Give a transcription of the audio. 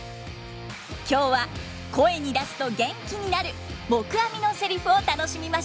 今日は声に出すと元気になる黙阿弥のセリフを楽しみましょう。